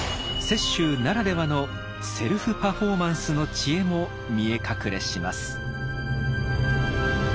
雪舟ならではのセルフパフォーマンスの知恵も見え隠れします。